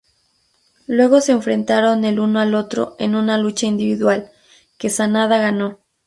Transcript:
Luego se enfrentaron el uno al otro en una lucha individual, que Sanada ganó.